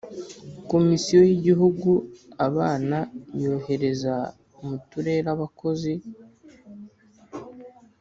Komisiyo y’Igihugu abana yohereza mu Turere abakozi